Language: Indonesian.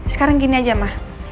sekarang gini aja ma